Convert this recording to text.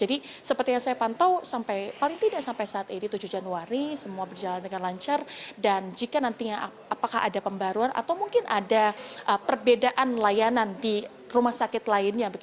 jadi seperti yang saya pantau paling tidak sampai saat ini tujuh januari semua berjalan dengan lancar dan jika nantinya apakah ada pembaruan atau mungkin ada perbedaan layanan di rumah sakit lainnya